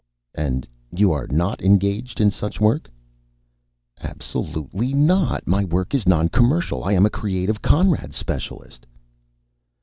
"And you are not engaged in such work?" "Absolutely not! My work is noncommercial. I am a Creative Conrad Specialist."